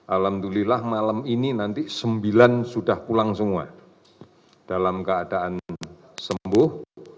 alhamdulillah malam ini nanti sembilan sudah pulang semua dalam keadaan sembuh